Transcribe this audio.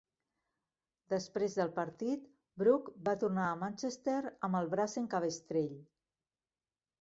Després del partit, Brook va tornar a Manchester amb el braç en cabestrell.